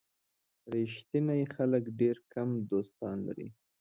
ریښتیني خلک ډېر کم دوستان لري.